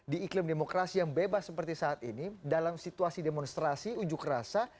di iklim demokrasi yang bebas seperti saat ini dalam situasi demonstrasi unjuk rasa